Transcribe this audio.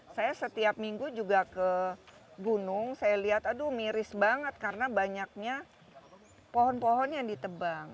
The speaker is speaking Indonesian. saya setiap minggu juga ke gunung saya lihat aduh miris banget karena banyaknya pohon pohon yang ditebang